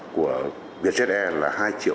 của vietjet air là